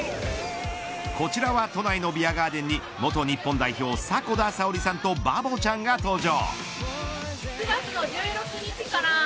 こちらは都内のビアガーデンに元日本代表、迫田さおりさんとバボちゃんが登場。